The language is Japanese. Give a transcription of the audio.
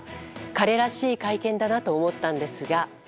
彼らしい会見だなと思ったんですが。